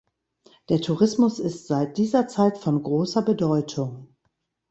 Der Tourismus ist seit dieser Zeit von großer Bedeutung.